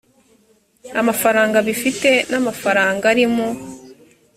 amafaranga bifite n amafaranga ari mu